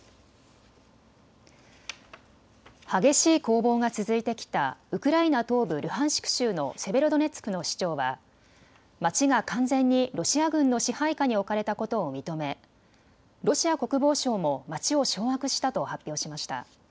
激しい攻防が続いてきたウクライナ東部ルハンシク州のセベロドネツクの市長は街が完全にロシア軍の支配下に置かれたことを認めロシア国防省も街を掌握したと発表しました。